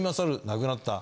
亡くなった。